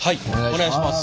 お願いします。